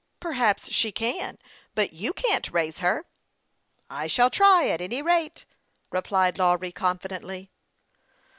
" Perhaps she can, but you can't raise her." " I shall try, at any rate," replied Lawry, con fidently.